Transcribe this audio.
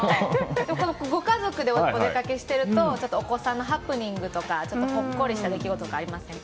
ご家族でお出かけしているとお子さんのハプニングとかほっこりした出来事とかありませんか？